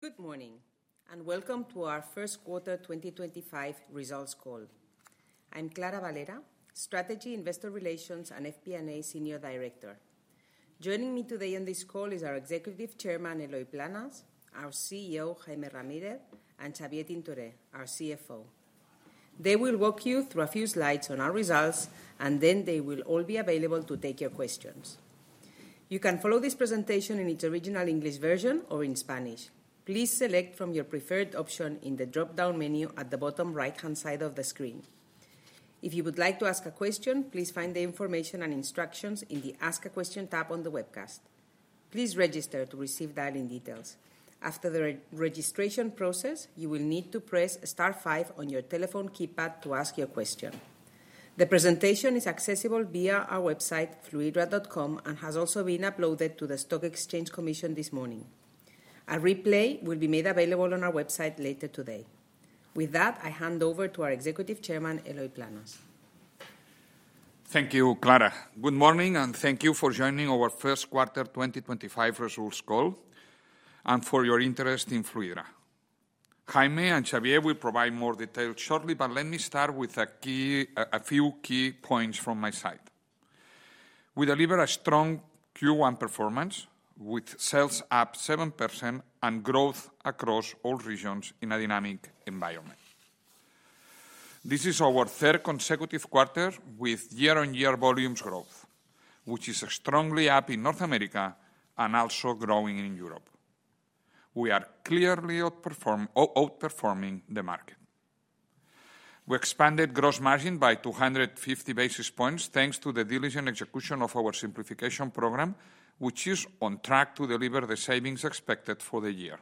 Good morning, and welcome to our first quarter 2025 results call. I'm Clara Valera, Strategy, Investor Relations, and FP&A Senior Director. Joining me today on this call is our Executive Chairman, Eloy Planes, our CEO, Jaime Ramírez, and Xavier Tintoré, our CFO. They will walk you through a few slides on our results, and then they will all be available to take your questions. You can follow this presentation in its original English version or in Spanish. Please select from your preferred option in the drop-down menu at the bottom right-hand side of the screen. If you would like to ask a question, please find the information and instructions in the Ask a Question tab on the webcast. Please register to receive dial-in details. After the registration process, you will need to press Star 5 on your telephone keypad to ask your question. The presentation is accessible via our website, fluidra.com, and has also been uploaded to the Stock Exchange Commission this morning. A replay will be made available on our website later today. With that, I hand over to our Executive Chairman, Eloy Planes. Thank you, Clara. Good morning, and thank you for joining our first quarter 2025 results call and for your interest in Fluidra. Jaime and Xavier will provide more details shortly, but let me start with a few key points from my side. We deliver a strong Q1 performance, with sales up 7% and growth across all regions in a dynamic environment. This is our third consecutive quarter with year-on-year volumes growth, which is strongly up in North America and also growing in Europe. We are clearly outperforming the market. We expanded gross margin by 250 basis points thanks to the diligent execution of our simplification program, which is on track to deliver the savings expected for the year.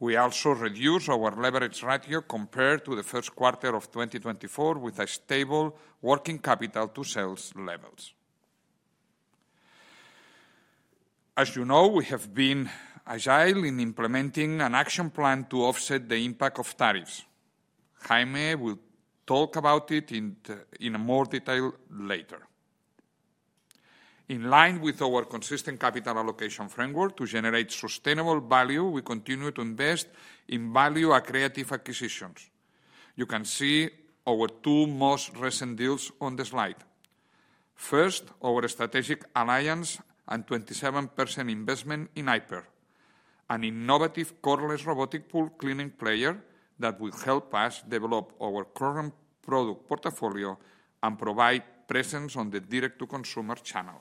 We also reduced our leverage ratio compared to the first quarter of 2024, with a stable working capital to sales levels. As you know, we have been agile in implementing an action plan to offset the impact of tariffs. Jaime will talk about it in more detail later. In line with our consistent capital allocation framework to generate sustainable value, we continue to invest in value-accretive acquisitions. You can see our two most recent deals on the slide. First, our strategic alliance and 27% investment in IPER, an innovative cordless robotic pool cleaning player that will help us develop our current product portfolio and provide presence on the direct-to-consumer channel.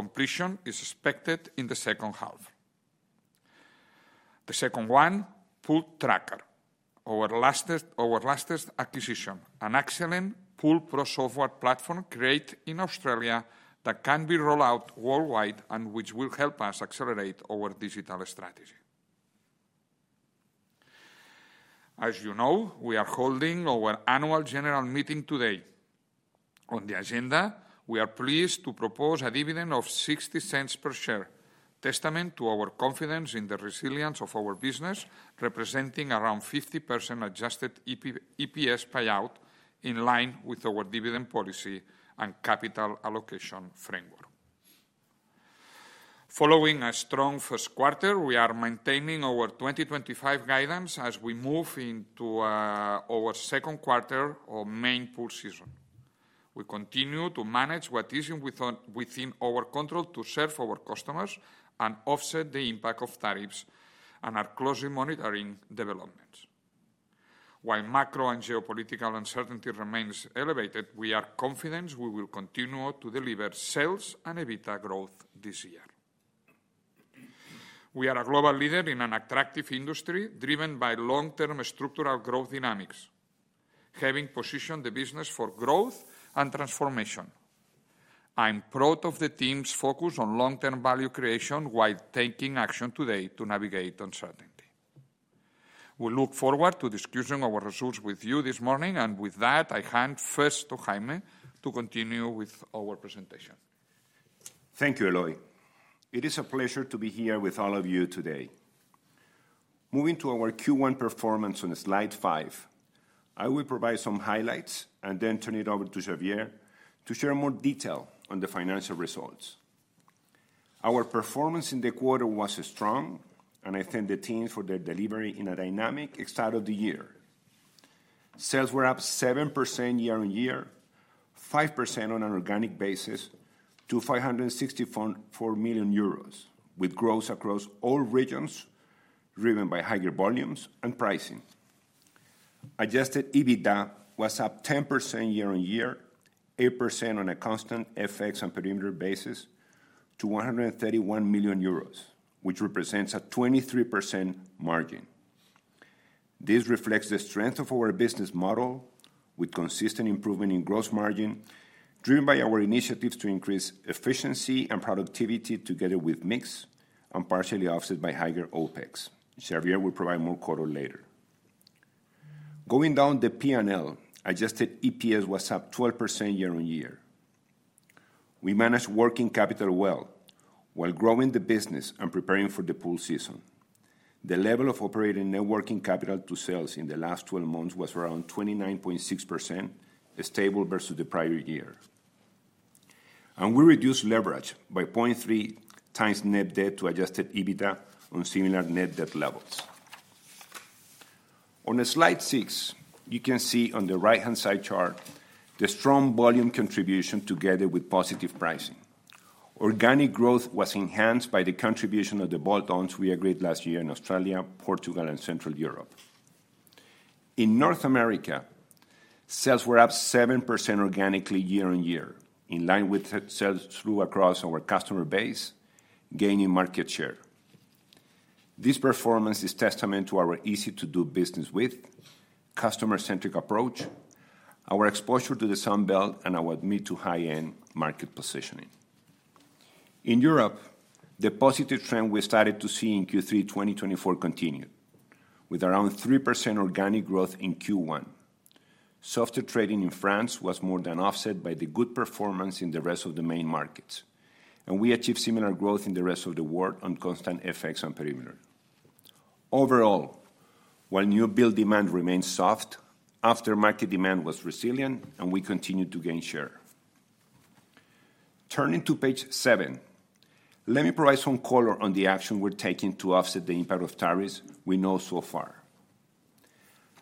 Completion is expected in the second half. The second one, Pool Tracker, our latest acquisition, an excellent pool pro software platform created in Australia that can be rolled out worldwide and which will help us accelerate our digital strategy. As you know, we are holding our annual general meeting today. On the agenda, we are pleased to propose a dividend of 0.60 per share, testament to our confidence in the resilience of our business, representing around 50% adjusted EPS payout in line with our dividend policy and capital allocation framework. Following a strong first quarter, we are maintaining our 2025 guidance as we move into our second quarter or main pool season. We continue to manage what is within our control to serve our customers and offset the impact of tariffs and are closely monitoring developments. While macro and geopolitical uncertainty remains elevated, we are confident we will continue to deliver sales and EBITDA growth this year. We are a global leader in an attractive industry driven by long-term structural growth dynamics, having positioned the business for growth and transformation. I'm proud of the team's focus on long-term value creation while taking action today to navigate uncertainty. We look forward to discussing our results with you this morning, and with that, I hand first to Jaime to continue with our presentation. Thank you, Eloy. It is a pleasure to be here with all of you today. Moving to our Q1 performance on slide five, I will provide some highlights and then turn it over to Xavier to share more detail on the financial results. Our performance in the quarter was strong, and I thank the team for their delivery in a dynamic start of the year. Sales were up 7% year-on-year, 5% on an organic basis to 564 million euros, with growth across all regions driven by higher volumes and pricing. Adjusted EBITDA was up 10% year-on-year, 8% on a constant FX and perimeter basis to 131 million euros, which represents a 23% margin. This reflects the strength of our business model, with consistent improvement in gross margin driven by our initiatives to increase efficiency and productivity together with mix and partially offset by higher OPEX. Xavier will provide more quarter later. Going down the P&L, adjusted EPS was up 12% year-on-year. We managed working capital well while growing the business and preparing for the pool season. The level of operating working capital to sales in the last 12 months was around 29.6%, stable versus the prior year. We reduced leverage by 0.3 times net debt to adjusted EBITDA on similar net debt levels. On slide six, you can see on the right-hand side chart the strong volume contribution together with positive pricing. Organic growth was enhanced by the contribution of the bolt-ons we agreed last year in Australia, Portugal, and Central Europe. In North America, sales were up 7% organically year-on-year, in line with sales through across our customer base, gaining market share. This performance is testament to our easy-to-do business with customer-centric approach, our exposure to the Sunbelt and our mid-to-high-end market positioning. In Europe, the positive trend we started to see in Q3 2024 continued, with around 3% organic growth in Q1. Softer trading in France was more than offset by the good performance in the rest of the main markets, and we achieved similar growth in the rest of the world on constant FX and perimeter. Overall, while new build demand remained soft, aftermarket demand was resilient, and we continued to gain share. Turning to page seven, let me provide some color on the action we're taking to offset the impact of tariffs we know so far.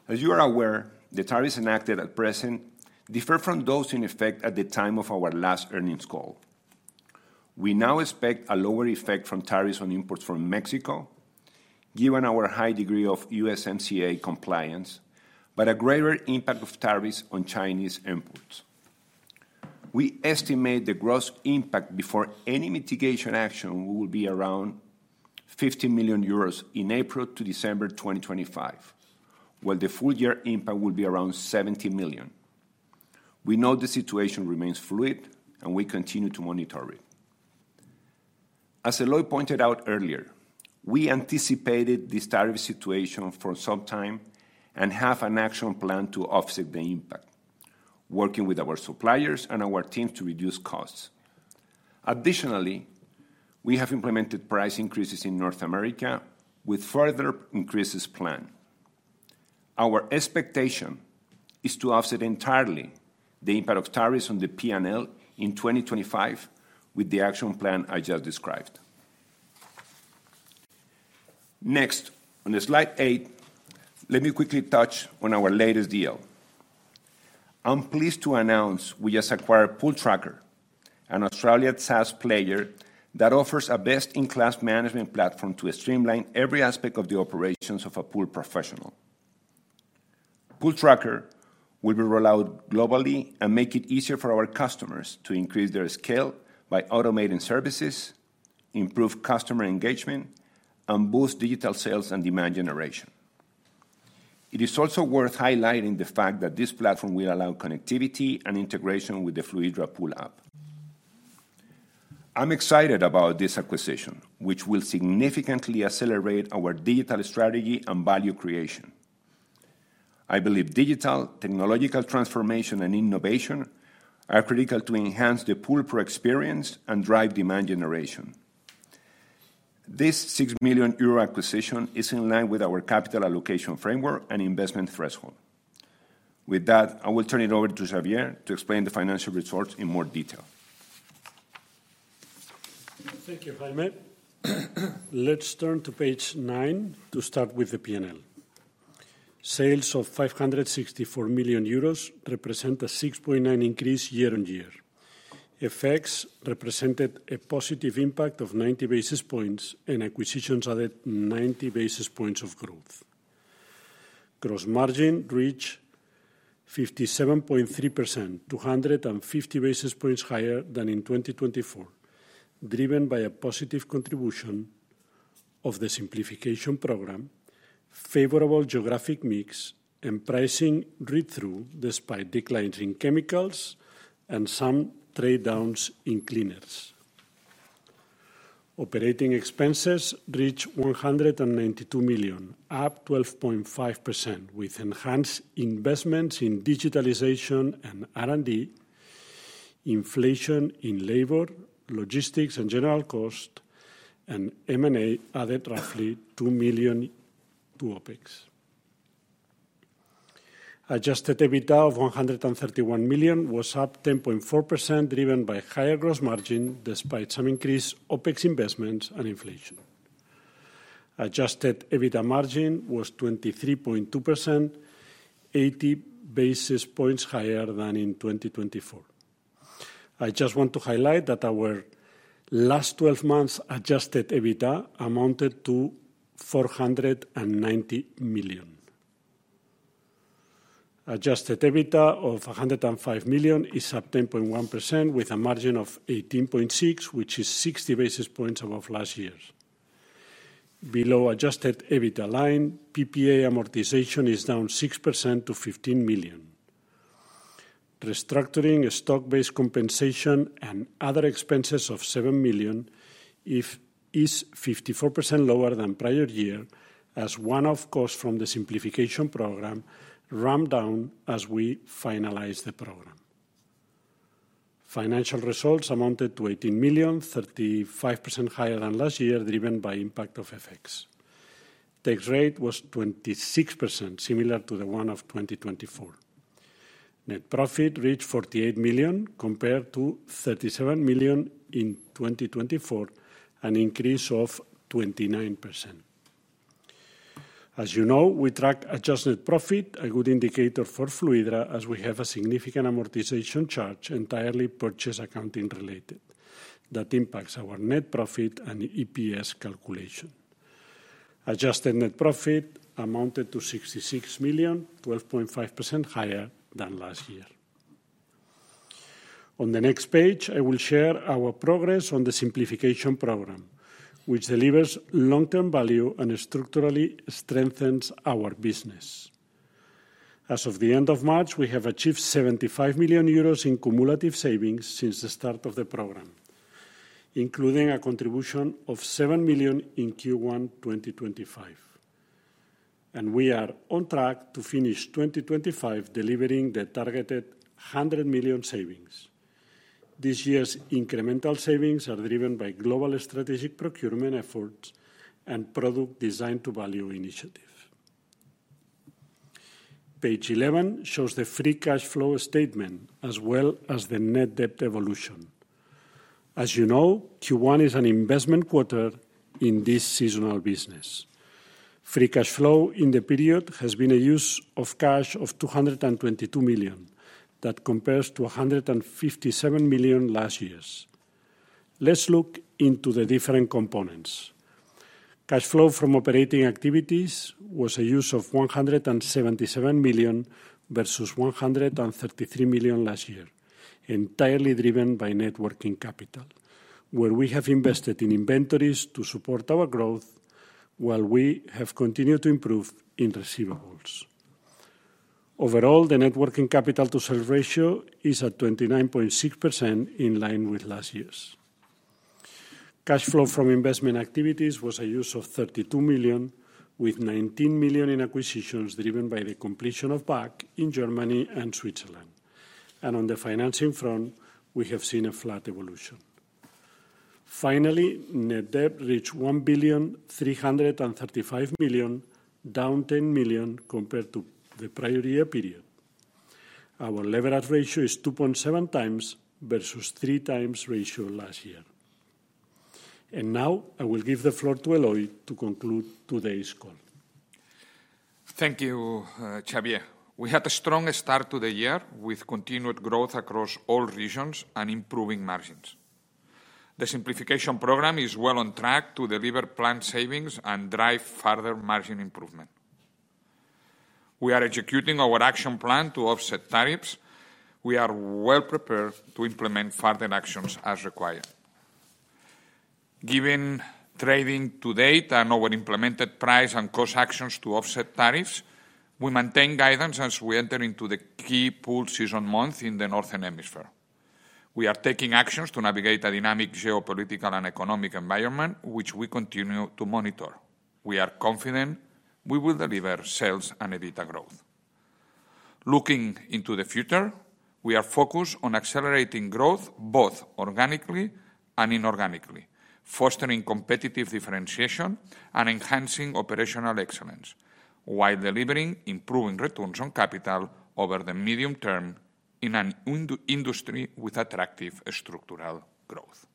As you are aware, the tariffs enacted at present differ from those in effect at the time of our last earnings call. We now expect a lower effect from tariffs on imports from Mexico, given our high degree of USMCA compliance, but a greater impact of tariffs on Chinese imports. We estimate the gross impact before any mitigation action will be around 15 million euros in April to December 2025, while the full-year impact will be around 70 million. We know the situation remains fluid, and we continue to monitor it. As Eloy pointed out earlier, we anticipated this tariff situation for some time and have an action plan to offset the impact, working with our suppliers and our teams to reduce costs. Additionally, we have implemented price increases in North America with further increases planned. Our expectation is to offset entirely the impact of tariffs on the P&L in 2025 with the action plan I just described. Next, on slide eight, let me quickly touch on our latest deal. I'm pleased to announce we just acquired Pool Tracker, an Australian SaaS player that offers a best-in-class management platform to streamline every aspect of the operations of a pool professional. Pool Tracker will be rolled out globally and make it easier for our customers to increase their scale by automating services, improve customer engagement, and boost digital sales and demand generation. It is also worth highlighting the fact that this platform will allow connectivity and integration with the Fluidra Pool app. I'm excited about this acquisition, which will significantly accelerate our digital strategy and value creation. I believe digital technological transformation and innovation are critical to enhance the pool pro experience and drive demand generation. This 6 million euro acquisition is in line with our capital allocation framework and investment threshold. With that, I will turn it over to Xavier to explain the financial results in more detail. Thank you, Jaime. Let's turn to page nine to start with the P&L. Sales of 564 million euros represent a 6.9% increase year-on-year. FX represented a positive impact of 90 basis points and acquisitions added 90 basis points of growth. Gross margin reached 57.3%, 250 basis points higher than in 2024, driven by a positive contribution of the simplification program, favorable geographic mix, and pricing read-through despite declines in chemicals and some trade-downs in cleaners. Operating expenses reached 192 million, up 12.5%, with enhanced investments in digitalization and R&D, inflation in labor, logistics, and general cost, and M&A added roughly 2 million to OPEX. Adjusted EBITDA of 131 million was up 10.4%, driven by higher gross margin despite some increased OPEX investments and inflation. Adjusted EBITDA margin was 23.2%, 80 basis points higher than in 2024. I just want to highlight that our last 12 months' adjusted EBITDA amounted to 490 million. Adjusted EBITDA of 105 million is up 10.1%, with a margin of 18.6%, which is 60 basis points above last year. Below adjusted EBITDA line, PPA amortization is down 6% to 15 million. Restructuring stock-based compensation and other expenses of 7 million is 54% lower than prior year, as one-off costs from the simplification program ramped down as we finalized the program. Financial results amounted to 18 million, 35% higher than last year, driven by impact of FX. Tax rate was 26%, similar to the one of 2024. Net profit reached 48 million, compared to 37 million in 2024, an increase of 29%. As you know, we track adjusted profit, a good indicator for Fluidra, as we have a significant amortization charge entirely purchase accounting related that impacts our net profit and EPS calculation. Adjusted net profit amounted to 66 million, 12.5% higher than last year. On the next page, I will share our progress on the simplification program, which delivers long-term value and structurally strengthens our business. As of the end of March, we have achieved 75 million euros in cumulative savings since the start of the program, including a contribution of 7 million in Q1 2025. We are on track to finish 2025 delivering the targeted 100 million savings. This year's incremental savings are driven by global strategic procurement efforts and product design-to-value initiatives. Page 11 shows the free cash flow statement as well as the net debt evolution. As you know, Q1 is an investment quarter in this seasonal business. Free cash flow in the period has been a use of cash of 222 million that compares to 157 million last year. Let's look into the different components. Cash flow from operating activities was a use of 177 million versus 133 million last year, entirely driven by net working capital, where we have invested in inventories to support our growth while we have continued to improve in receivables. Overall, the net working capital-to-sales ratio is at 29.6%, in line with last year. Cash flow from investment activities was a use of 32 million, with 19 million in acquisitions driven by the completion of BAC in Germany and Switzerland. On the financing front, we have seen a flat evolution. Finally, net debt reached 1.335 billion, down 10 million compared to the prior year period. Our leverage ratio is 2.7 times versus 3 times ratio last year. I will give the floor to Eloy to conclude today's call. Thank you, Xavier. We had a strong start to the year with continued growth across all regions and improving margins. The simplification program is well on track to deliver planned savings and drive further margin improvement. We are executing our action plan to offset tariffs. We are well prepared to implement further actions as required. Given trading to date and our implemented price and cost actions to offset tariffs, we maintain guidance as we enter into the key pool season month in the Northern Hemisphere. We are taking actions to navigate a dynamic geopolitical and economic environment, which we continue to monitor. We are confident we will deliver sales and EBITDA growth. Looking into the future, we are focused on accelerating growth both organically and inorganically, fostering competitive differentiation and enhancing operational excellence while delivering improving returns on capital over the medium term in an industry with attractive structural growth.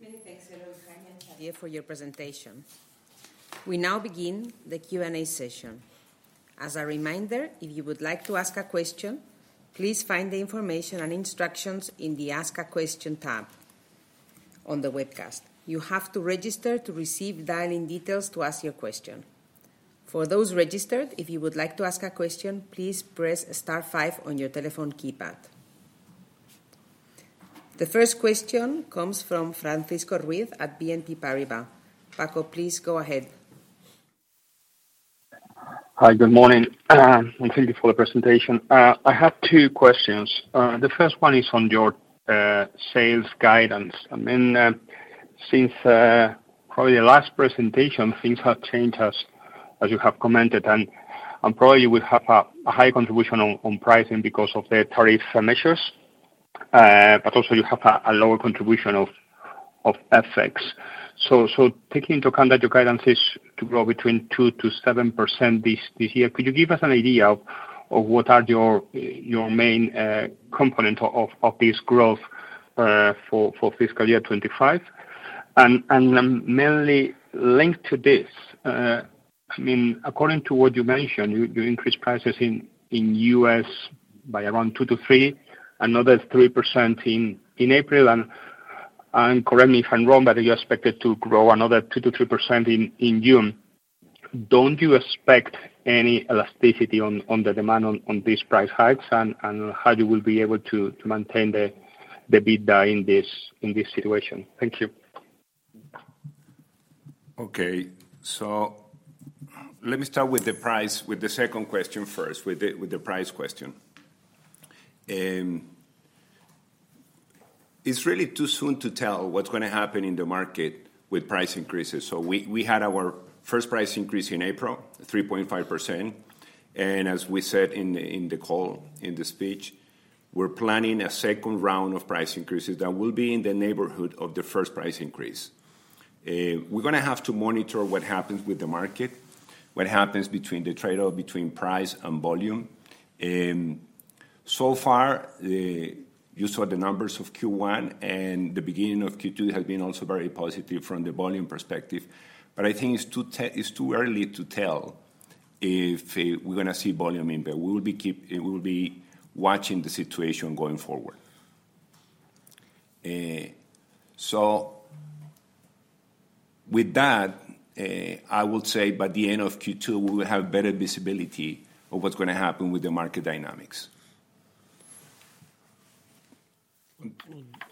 Many thanks, Eloy, Jaime, and Xavier for your presentation. We now begin the Q&A session. As a reminder, if you would like to ask a question, please find the information and instructions in the Ask a Question tab on the webcast. You have to register to receive dial-in details to ask your question. For those registered, if you would like to ask a question, please press star five on your telephone keypad. The first question comes from Francisco Ruiz at BNP Paribas. Paco, please go ahead. Hi, good morning. Thank you for the presentation. I have two questions. The first one is on your sales guidance. I mean, since probably the last presentation, things have changed, as you have commented, and probably we have a high contribution on pricing because of the tariff measures, but also you have a lower contribution of FX. Taking into account that your guidance is to grow between 2%-7% this year, could you give us an idea of what are your main components of this growth for fiscal year 2025? Mainly linked to this, I mean, according to what you mentioned, you increased prices in the U.S. by around 2%-3%, another 3% in April. Correct me if I'm wrong, but you expected to grow another 2%-3% in June. Don't you expect any elasticity on the demand on these price hikes and how you will be able to maintain the EBITDA in this situation? Thank you. Okay. Let me start with the price, with the second question first, with the price question. It's really too soon to tell what's going to happen in the market with price increases. We had our first price increase in April, 3.5%. As we said in the call, in the speech, we're planning a second round of price increases that will be in the neighborhood of the first price increase. We're going to have to monitor what happens with the market, what happens between the trade-off between price and volume. You saw the numbers of Q1, and the beginning of Q2 has been also very positive from the volume perspective. I think it's too early to tell if we're going to see volume in, but we will be watching the situation going forward. With that, I will say by the end of Q2, we will have better visibility of what's going to happen with the market dynamics.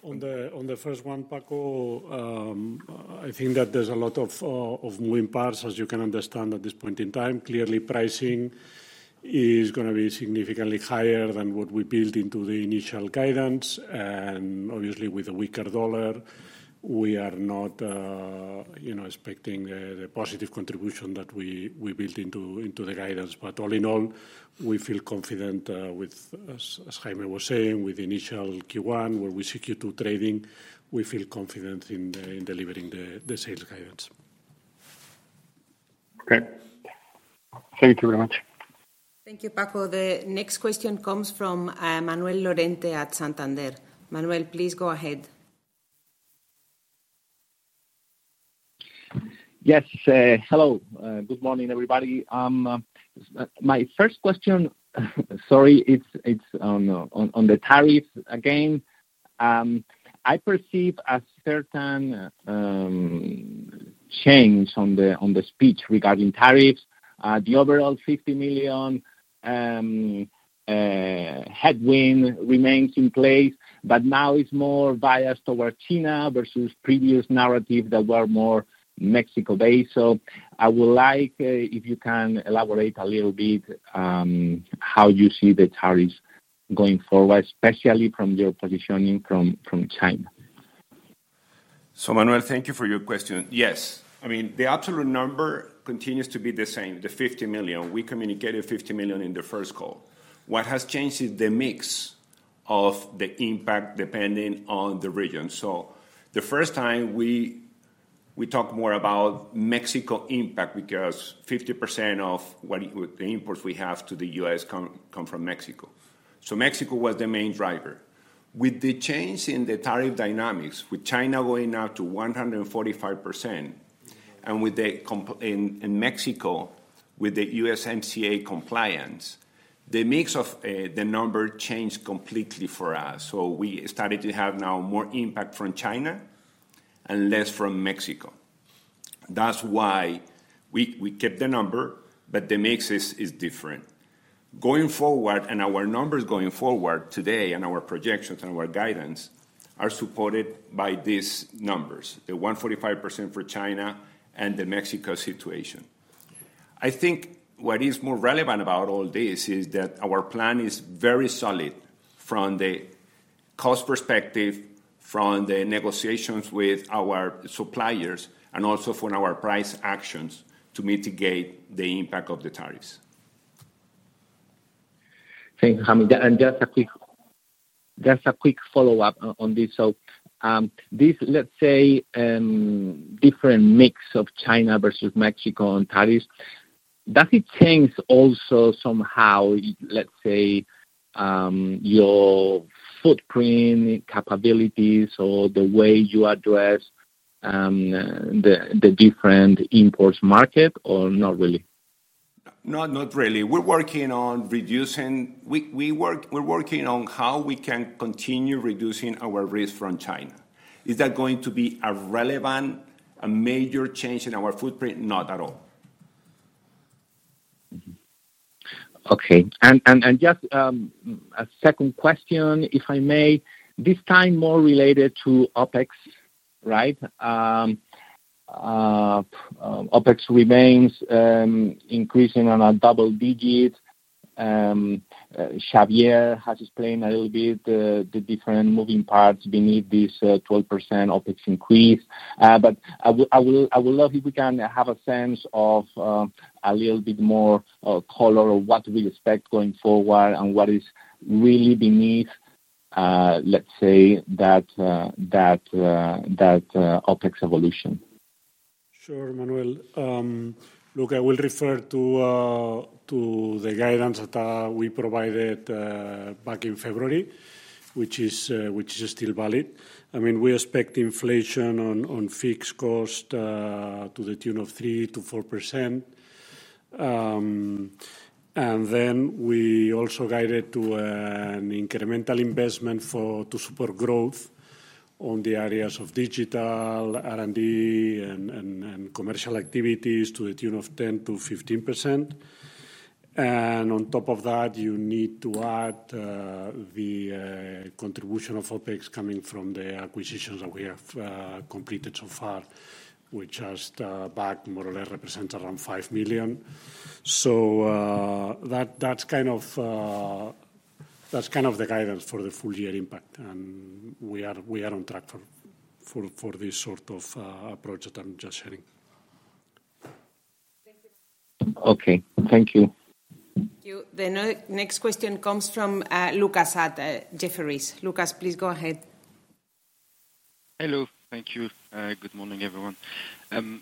On the first one, Paco, I think that there's a lot of moving parts, as you can understand at this point in time. Clearly, pricing is going to be significantly higher than what we built into the initial guidance. Obviously, with a weaker dollar, we are not expecting the positive contribution that we built into the guidance. All in all, we feel confident, as Jaime was saying, with the initial Q1, where we see Q2 trading, we feel confident in delivering the sales guidance. Okay. Thank you very much. Thank you, Paco. The next question comes from Manuel Lorente at Santander. Manuel, please go ahead. Yes. Hello. Good morning, everybody. My first question, sorry, it's on the tariffs again. I perceive a certain change on the speech regarding tariffs. The overall 50 million headwind remains in place, but now it's more biased towards China versus previous narratives that were more Mexico-based. So I would like if you can elaborate a little bit how you see the tariffs going forward, especially from your positioning from China. Manuel, thank you for your question. Yes. I mean, the absolute number continues to be the same, the 50 million. We communicated 50 million in the first call. What has changed is the mix of the impact depending on the region. The first time, we talked more about Mexico impact because 50% of the imports we have to the U.S. come from Mexico. Mexico was the main driver. With the change in the tariff dynamics, with China going now to 145%, and Mexico with the USMCA compliance, the mix of the number changed completely for us. We started to have now more impact from China and less from Mexico. That is why we kept the number, but the mix is different. Going forward, and our numbers going forward today, and our projections and our guidance are supported by these numbers, the 145% for China and the Mexico situation. I think what is more relevant about all this is that our plan is very solid from the cost perspective, from the negotiations with our suppliers, and also from our price actions to mitigate the impact of the tariffs. Thanks, Jaime. Just a quick follow-up on this. This, let's say, different mix of China versus Mexico on tariffs, does it change also somehow, let's say, your footprint, capabilities, or the way you address the different imports market, or not really? Not really. We're working on reducing—we're working on how we can continue reducing our risk from China. Is that going to be a relevant, a major change in our footprint? Not at all. Okay. Just a second question, if I may, this time more related to OPEX, right? OPEX remains increasing on a double digit. Xavier has explained a little bit the different moving parts beneath this 12% OPEX increase. I would love if we can have a sense of a little bit more color of what we expect going forward and what is really beneath, let's say, that OPEX evolution. Sure, Manuel. Look, I will refer to the guidance that we provided back in February, which is still valid. I mean, we expect inflation on fixed cost to the tune of 3%-4%. I mean, we also guided to an incremental investment to support growth on the areas of digital, R&D, and commercial activities to the tune of 10%-15%. On top of that, you need to add the contribution of OPEX coming from the acquisitions that we have completed so far, which just back more or less represents around 5 million. That is kind of the guidance for the full year impact. We are on track for this sort of approach that I am just sharing. Okay. Thank you. Thank you. The next question comes from Lucas Ferhani at Jefferies. Lucas, please go ahead. Hello. Thank you. Good morning, everyone.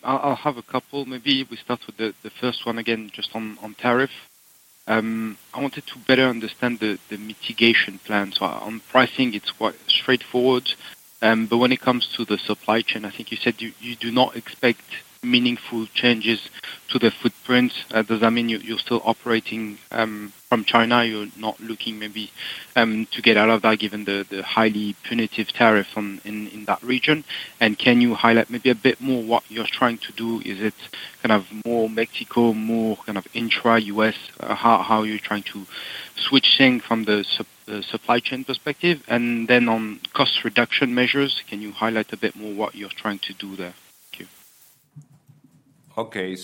I'll have a couple. Maybe we start with the first one again, just on tariff. I wanted to better understand the mitigation plan. So on pricing, it's quite straightforward. But when it comes to the supply chain, I think you said you do not expect meaningful changes to the footprint. Does that mean you're still operating from China? You're not looking maybe to get out of that, given the highly punitive tariffs in that region? Can you highlight maybe a bit more what you're trying to do? Is it kind of more Mexico, more kind of intra-U.S., how you're trying to switch things from the supply chain perspective? Then on cost reduction measures, can you highlight a bit more what you're trying to do there? Thank you. Okay.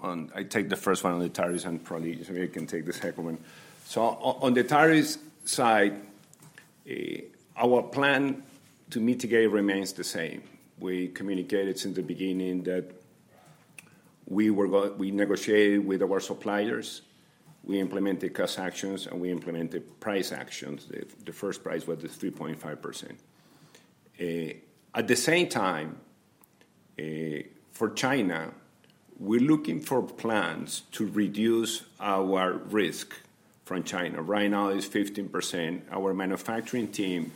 I take the first one on the tariffs, and probably Xavier can take the second one. On the tariffs side, our plan to mitigate remains the same. We communicated since the beginning that we negotiated with our suppliers. We implemented cost actions, and we implemented price actions. The first price was the 3.5%. At the same time, for China, we're looking for plans to reduce our risk from China. Right now, it's 15%. Our manufacturing team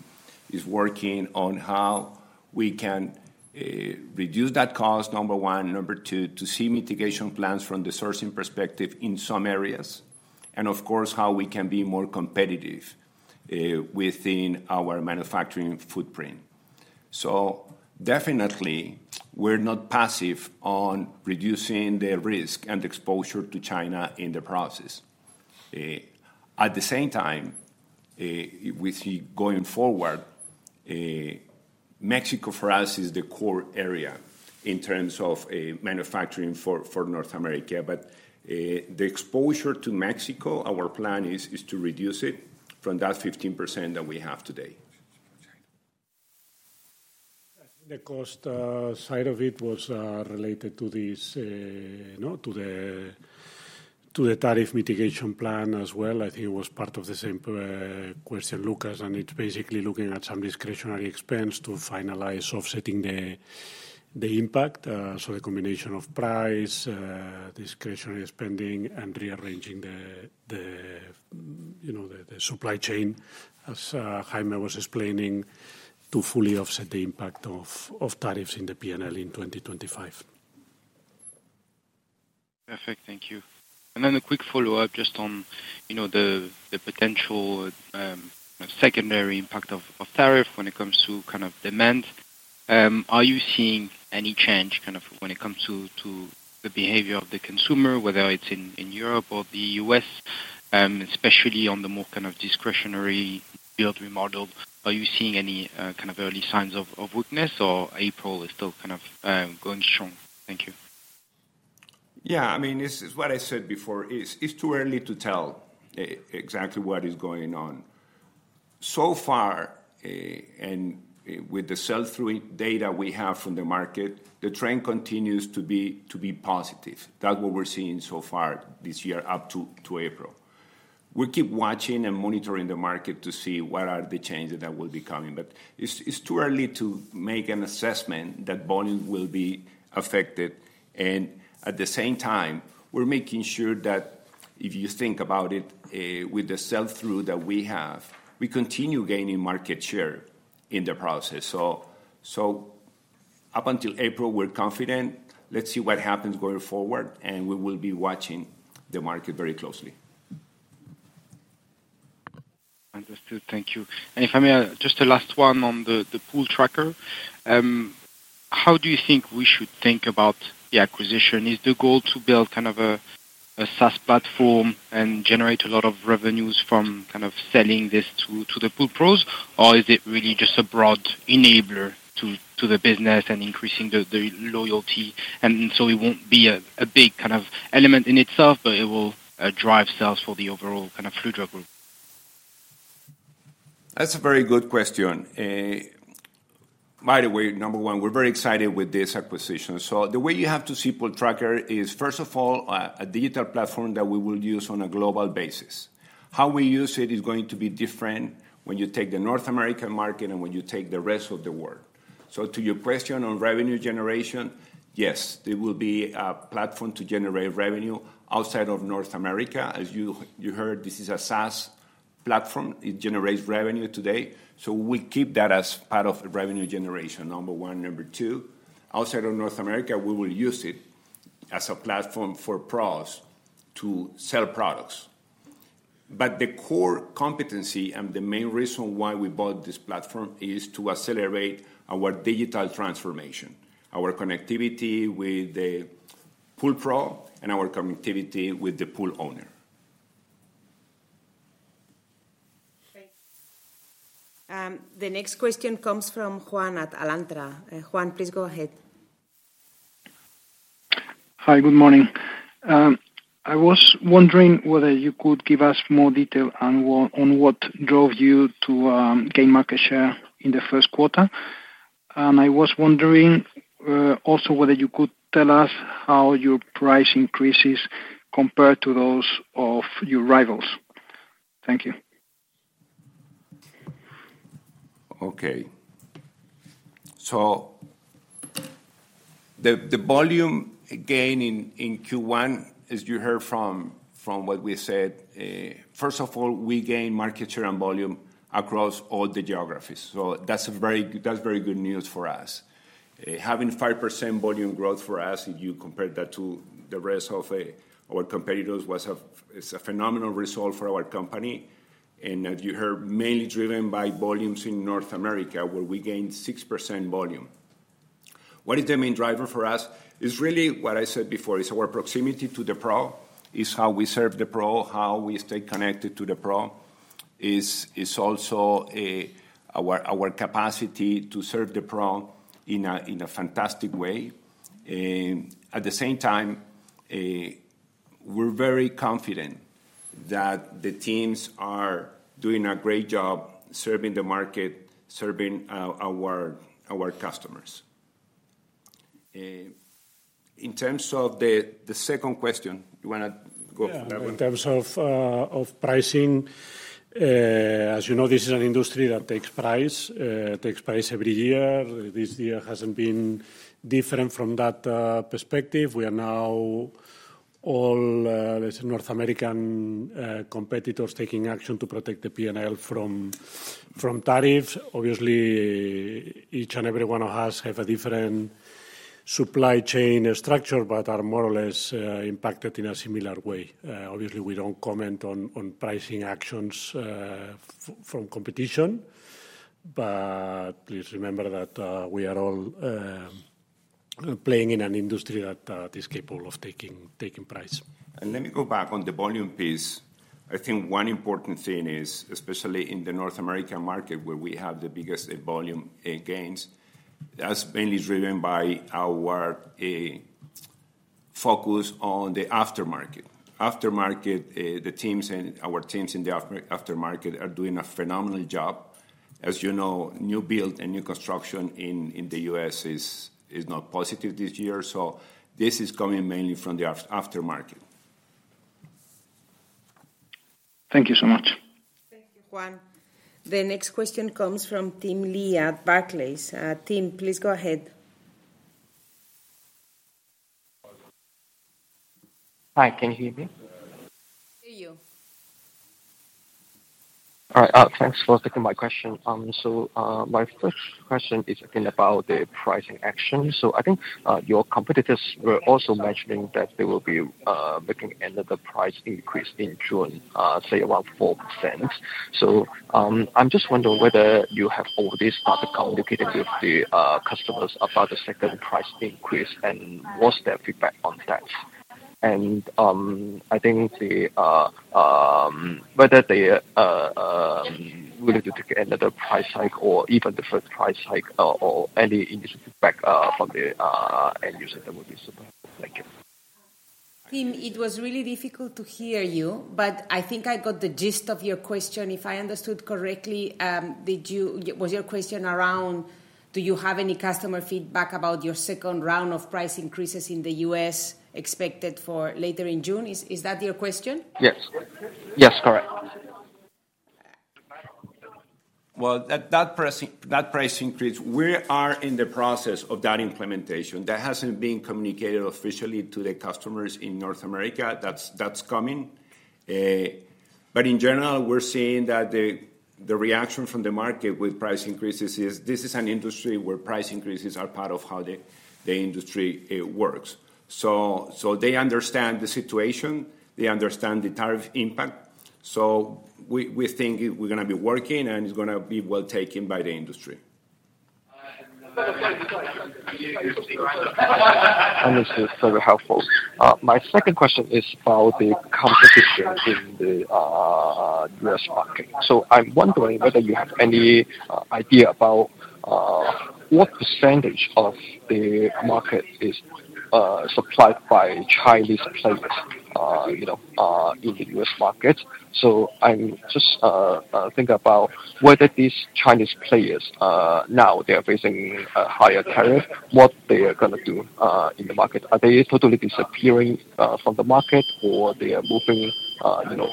is working on how we can reduce that cost, number one. Number two, to see mitigation plans from the sourcing perspective in some areas. Of course, how we can be more competitive within our manufacturing footprint. Definitely, we're not passive on reducing the risk and exposure to China in the process. At the same time, we see going forward, Mexico for us is the core area in terms of manufacturing for North America. The exposure to Mexico, our plan is to reduce it from that 15% that we have today. I think the cost side of it was related to the tariff mitigation plan as well. I think it was part of the same question, Lucas, and it's basically looking at some discretionary expense to finalize offsetting the impact. The combination of price, discretionary spending, and rearranging the supply chain, as Jaime was explaining, to fully offset the impact of tariffs in the P&L in 2025. Perfect. Thank you. And then a quick follow-up just on the potential secondary impact of tariff when it comes to kind of demand. Are you seeing any change kind of when it comes to the behavior of the consumer, whether it's in Europe or the U.S., especially on the more kind of discretionary build remodel? Are you seeing any kind of early signs of weakness, or April is still kind of going strong? Thank you. Yeah. I mean, it's what I said before. It's too early to tell exactly what is going on. So far, and with the sell-through data we have from the market, the trend continues to be positive. That's what we're seeing so far this year up to April. We keep watching and monitoring the market to see what are the changes that will be coming. It is too early to make an assessment that volume will be affected. At the same time, we're making sure that if you think about it, with the sell-through that we have, we continue gaining market share in the process. Up until April, we're confident. Let's see what happens going forward, and we will be watching the market very closely. Understood. Thank you. If I may, just a last one on the Pool Tracker. How do you think we should think about the acquisition? Is the goal to build kind of a SaaS platform and generate a lot of revenues from kind of selling this to the pool pros, or is it really just a broad enabler to the business and increasing the loyalty? It will not be a big kind of element in itself, but it will drive sales for the overall kind of Fluidra group. That's a very good question. By the way, number one, we're very excited with this acquisition. The way you have to see Pool Tracker is, first of all, a digital platform that we will use on a global basis. How we use it is going to be different when you take the North American market and when you take the rest of the world. To your question on revenue generation, yes, there will be a platform to generate revenue outside of North America. As you heard, this is a SaaS platform. It generates revenue today. We keep that as part of revenue generation, number one. Number two, outside of North America, we will use it as a platform for pros to sell products. The core competency and the main reason why we bought this platform is to accelerate our digital transformation, our connectivity with the pool pro, and our connectivity with the pool owner. The next question comes from Juan at Alantra. Juan, please go ahead. Hi, good morning. I was wondering whether you could give us more detail on what drove you to gain market share in the first quarter. I was wondering also whether you could tell us how your price increases compared to those of your rivals. Thank you. Okay. The volume gain in Q1, as you heard from what we said, first of all, we gained market share and volume across all the geographies. That is very good news for us. Having 5% volume growth for us, if you compare that to the rest of our competitors, was a phenomenal result for our company. As you heard, mainly driven by volumes in North America, where we gained 6% volume. What is the main driver for us? It is really what I said before. It is our proximity to the pro. It is how we serve the pro, how we stay connected to the pro. It is also our capacity to serve the pro in a fantastic way. At the same time, we are very confident that the teams are doing a great job serving the market, serving our customers. In terms of the second question, you want to go? Yeah. In terms of pricing, as you know, this is an industry that takes price every year. This year has not been different from that perspective. We are now all, let's say, North American competitors taking action to protect the P&L from tariffs. Obviously, each and every one of us has a different supply chain structure, but are more or less impacted in a similar way. Obviously, we do not comment on pricing actions from competition. Please remember that we are all playing in an industry that is capable of taking price. Let me go back on the volume piece. I think one important thing is, especially in the North American market, where we have the biggest volume gains, that's mainly driven by our focus on the aftermarket. Aftermarket, the teams and our teams in the aftermarket are doing a phenomenal job. As you know, new build and new construction in the U.S. is not positive this year. This is coming mainly from the aftermarket. Thank you so much. Thank you, Juan. The next question comes from Tim Lee at Barclays. Tim, please go ahead. Hi. Can you hear me? Hear you. All right. Thanks for taking my question. My first question is, again, about the pricing action. I think your competitors were also mentioning that they will be looking at another price increase in June, say around 4%. I am just wondering whether you have already started communicating with the customers about the second price increase and what is their feedback on that. I think whether they are willing to take another price hike or even the first price hike or any initial feedback from the end user, that would be super. Thank you. Tim, it was really difficult to hear you, but I think I got the gist of your question. If I understood correctly, was your question around, do you have any customer feedback about your second round of price increases in the U.S. expected for later in June? Is that your question? Yes. Yes, correct. That price increase, we are in the process of that implementation. That hasn't been communicated officially to the customers in North America. That's coming. In general, we're seeing that the reaction from the market with price increases is this is an industry where price increases are part of how the industry works. They understand the situation. They understand the tariff impact. We think we're going to be working, and it's going to be well taken by the industry. Understood. So helpful. My second question is about the competition in the U.S. market. I'm wondering whether you have any idea about what percentage of the market is supplied by Chinese players in the U.S. market. I'm just thinking about whether these Chinese players now, they're facing a higher tariff, what they are going to do in the market. Are they totally disappearing from the market, or they are moving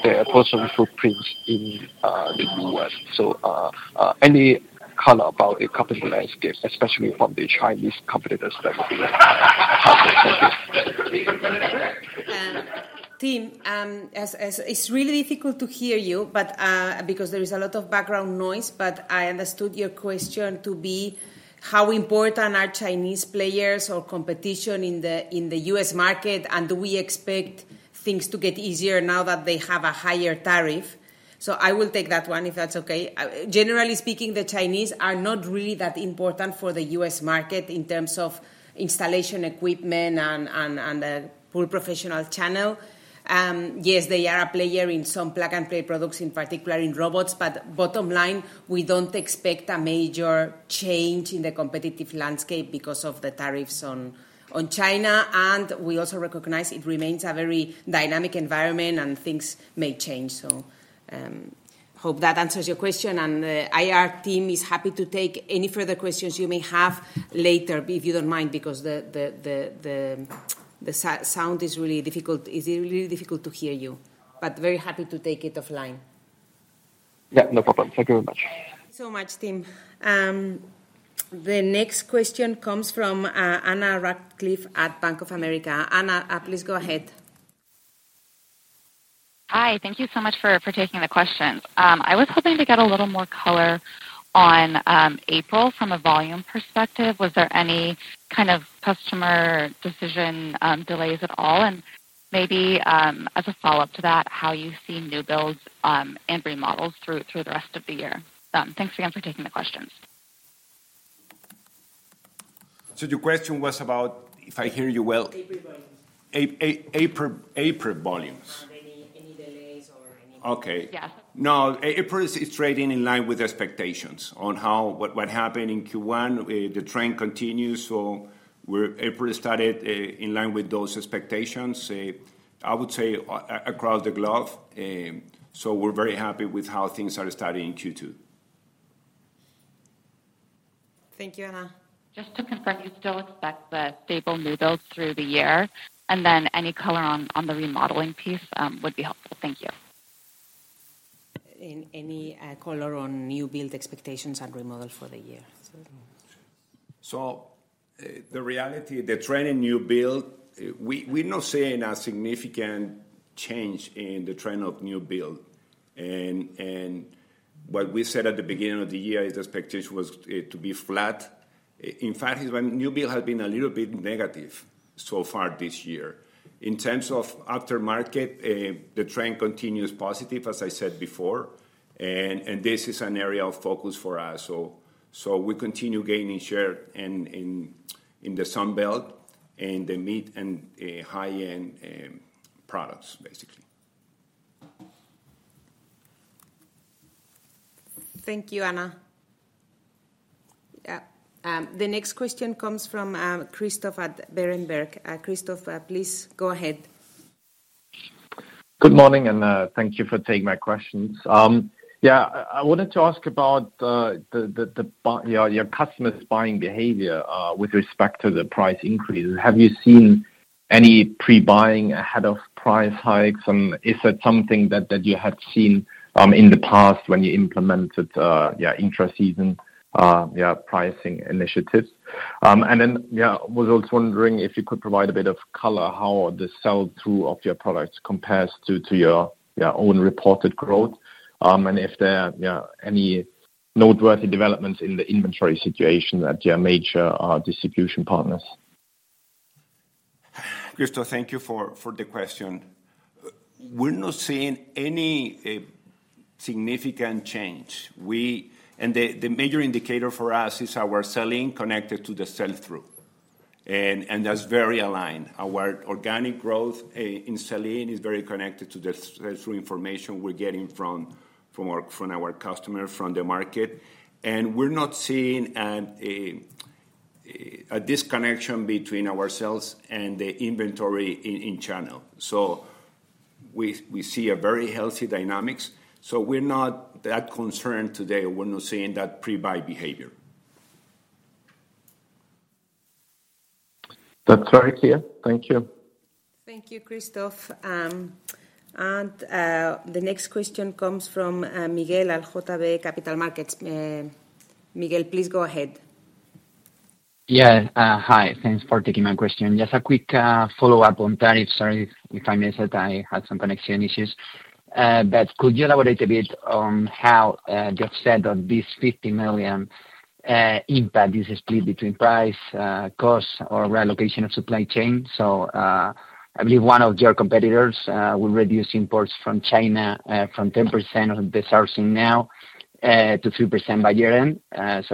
their personal footprints in the U.S.? Any color about the company landscape, especially from the Chinese competitors that will be part of it. Team, it's really difficult to hear you because there is a lot of background noise, but I understood your question to be how important are Chinese players or competition in the U.S. market, and do we expect things to get easier now that they have a higher tariff? I will take that one if that's okay. Generally speaking, the Chinese are not really that important for the U.S. market in terms of installation equipment and pool professional channel. Yes, they are a player in some plug-and-play products, in particular in robots, but bottom line, we don't expect a major change in the competitive landscape because of the tariffs on China. We also recognize it remains a very dynamic environment, and things may change. Hope that answers your question. IR team is happy to take any further questions you may have later, if you don't mind, because the sound is really difficult. It's really difficult to hear you, but very happy to take it offline. Yeah, no problem. Thank you very much. so much, team. The next question comes from Anna Ractliffe at Bank of America. Anna, please go ahead. Hi. Thank you so much for taking the questions. I was hoping to get a little more color on April from a volume perspective. Was there any kind of customer decision delays at all? Maybe as a follow-up to that, how you see new builds and remodels through the rest of the year. Thanks again for taking the questions. The question was about if I hear you well. April volumes. April volumes. Yeah Okay. No, April is trading in line with expectations on what happened in Q1. The trend continues, so April started in line with those expectations, I would say, across the globe. So we're very happy with how things are starting in Q2. Thank you, Anna. Just to confirm, you still expect the stable new builds through the year? Any color on the remodeling piece would be helpful. Thank you. Any color on new build expectations and remodel for the year? The reality, the trend in new build, we're not seeing a significant change in the trend of new build. What we said at the beginning of the year is the expectation was to be flat. In fact, new build has been a little bit negative so far this year. In terms of aftermarket, the trend continues positive, as I said before. This is an area of focus for us. We continue gaining share in the Sunbelt and the mid and high-end products, basically. Thank you, Anna. Yeah. The next question comes from Christoph at Berenberg. Christoph, please go ahead. Good morning, and thank you for taking my questions. Yeah, I wanted to ask about your customers' buying behavior with respect to the price increase. Have you seen any pre-buying ahead of price hikes? Is that something that you had seen in the past when you implemented intra-season pricing initiatives? I was also wondering if you could provide a bit of color how the sell-through of your products compares to your own reported growth and if there are any noteworthy developments in the inventory situation at your major distribution partners. Christoph, thank you for the question. We're not seeing any significant change. The major indicator for us is our selling connected to the sell-through. That is very aligned. Our organic growth in selling is very connected to the sell-through information we're getting from our customers, from the market. We're not seeing a disconnection between ourselves and the inventory in channel. We see a very healthy dynamic. We're not that concerned today. We're not seeing that pre-buy behavior. That's very clear. Thank you. Thank you, Christoph. The next question comes from Miguel González of JB Capital Markets. Miguel, please go ahead. Yeah. Hi. Thanks for taking my question. Just a quick follow-up on tariffs. Sorry if I missed it. I had some connection issues. Could you elaborate a bit on how you've said that this 50 million impact is split between price, cost, or reallocation of supply chain? I believe one of your competitors will reduce imports from China from 10% of the sourcing now to 3% by year-end.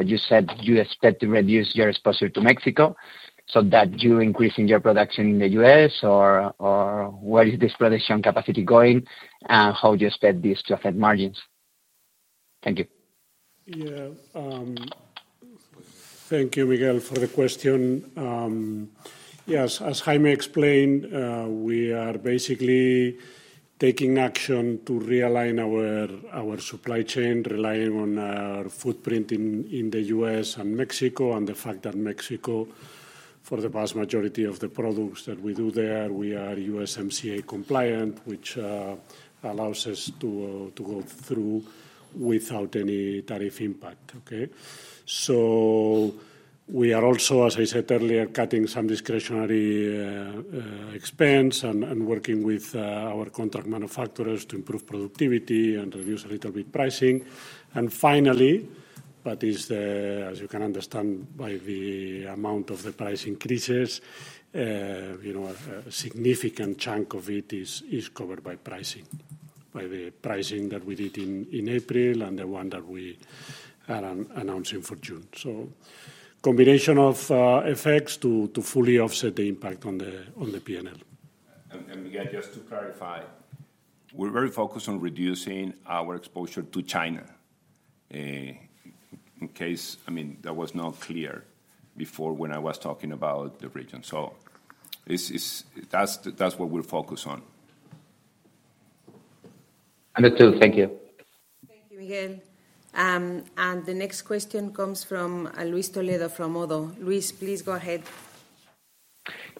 You said you expect to reduce your exposure to Mexico. That you're increasing your production in the U.S., or where is this production capacity going, and how do you expect this to affect margins? Thank you. Yeah. Thank you, Miguel, for the question. Yes, as Jaime explained, we are basically taking action to realign our supply chain, relying on our footprint in the U.S. and Mexico, and the fact that Mexico, for the vast majority of the products that we do there, we are USMCA compliant, which allows us to go through without any tariff impact. Okay? We are also, as I said earlier, cutting some discretionary expense and working with our contract manufacturers to improve productivity and reduce a little bit pricing. Finally, as you can understand by the amount of the price increases, a significant chunk of it is covered by pricing, by the pricing that we did in April and the one that we are announcing for June. Combination of effects to fully offset the impact on the P&L. Miguel, just to clarify, we're very focused on reducing our exposure to China in case, I mean, that was not clear before when I was talking about the region. That's what we're focused on. Understood. Thank you. Thank you, Miguel. The next question comes from Luis Toledo from Modo. Luis, please go ahead.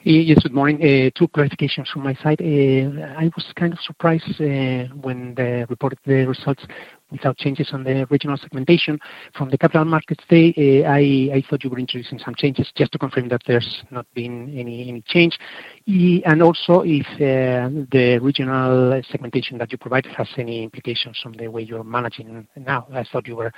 Yes, good morning. Two clarifications from my side. I was kind of surprised when they reported the results without changes on the regional segmentation. From the capital markets today, I thought you were introducing some changes just to confirm that there's not been any change. Also, if the regional segmentation that you provided has any implications on the way you're managing now. I thought you were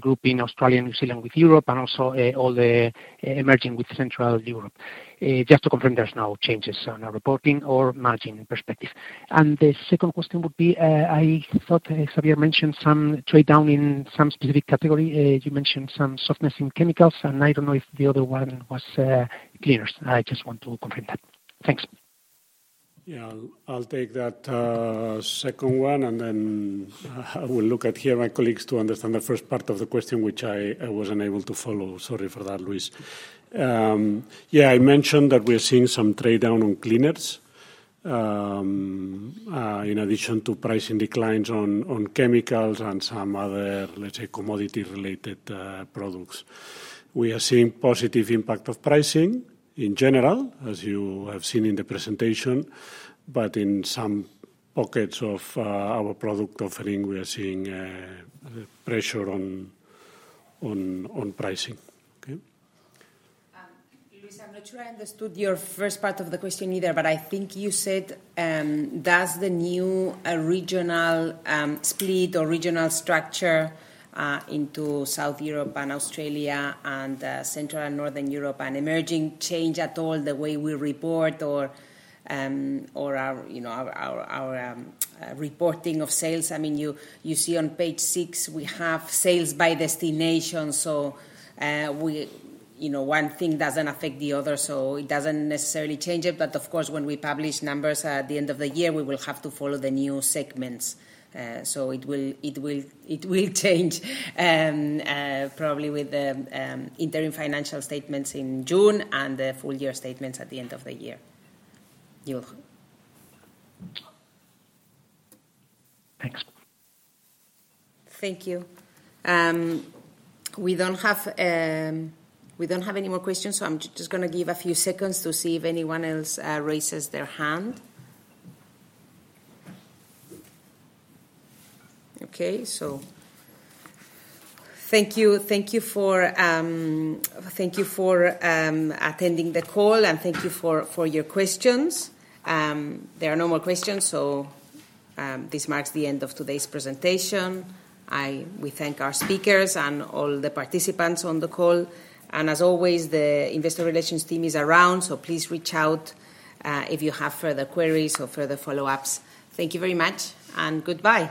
grouping Australia, New Zealand with Europe, and also all the emerging with Central Europe. Just to confirm, there's no changes on our reporting or managing perspective. The second question would be, I thought Xavier mentioned some trade-down in some specific category. You mentioned some softness in chemicals, and I don't know if the other one was cleaners. I just want to confirm that. Thanks. Yeah, I'll take that second one, and then I will look at here my colleagues to understand the first part of the question, which I was unable to follow. Sorry for that, Luis. Yeah, I mentioned that we are seeing some trade-down on cleaners in addition to pricing declines on chemicals and some other, let's say, commodity-related products. We are seeing positive impact of pricing in general, as you have seen in the presentation, but in some pockets of our product offering, we are seeing pressure on pricing. Okay? Luis, I'm not sure I understood your first part of the question either, but I think you said, does the new regional split or regional structure into South Europe and Australia and Central and Northern Europe and emerging change at all the way we report or our reporting of sales? I mean, you see on page six, we have sales by destination. One thing does not affect the other, so it does not necessarily change it. Of course, when we publish numbers at the end of the year, we will have to follow the new segments. It will change probably with the interim financial statements in June and the full-year statements at the end of the year. You're welcome. Thanks. Thank you. We do not have any more questions, so I am just going to give a few seconds to see if anyone else raises their hand. Okay, thank you for attending the call, and thank you for your questions. There are no more questions, so this marks the end of today's presentation. We thank our speakers and all the participants on the call. As always, the investor relations team is around, so please reach out if you have further queries or further follow-ups. Thank you very much, and goodbye.